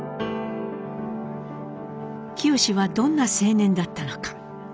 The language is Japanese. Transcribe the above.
清はどんな青年だったのか？